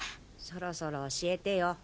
そろそろ教えてよ。